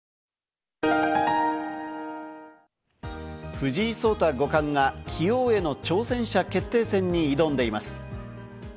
藤井聡太五冠が棋王への挑戦者決定戦に挑んでいます。